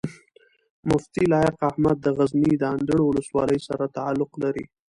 مفتي لائق احمد د غزني د اندړو ولسوالۍ سره تعلق لري